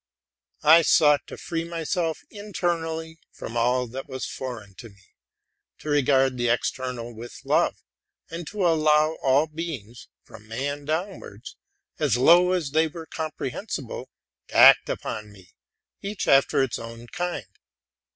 I endeav ored to free myself inwardly from all that was foreign to me; to regard the external with love; and to allow all beings, from man downwards, as low as they were compre hensible, to act upon me, each after its own kind.